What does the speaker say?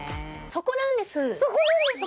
そこなんです！